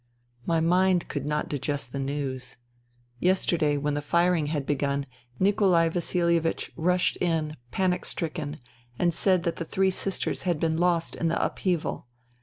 ..." My mind could not digest the news. Yesterday when the firing had begun, Nikolai Vasilievich rushed in, panic stricken, and said that the three sisters had been lost in the upheaval.